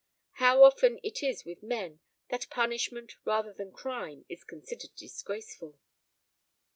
How often is it with men, that punishment rather than crime is considered disgraceful!